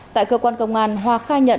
tại cơ quan công an hoa khanh